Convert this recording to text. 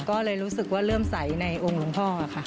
ก็เลยรู้สึกว่าเริ่มใสในองค์หลวงพ่อค่ะ